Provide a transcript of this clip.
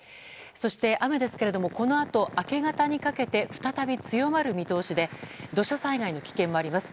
そして雨ですけれどもこのあと明け方にかけて再び強まる見通しで土砂災害の危険もあります。